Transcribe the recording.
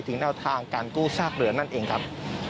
แนวทางการกู้ซากเรือนั่นเองครับ